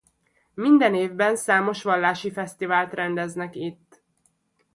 Minden évben számos vallási fesztivált rendeznek itt.